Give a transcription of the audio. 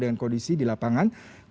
dengan kondisi di lapangan